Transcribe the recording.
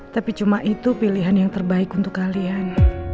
tapi cuma itu pilihan yang terbaik untuk kalian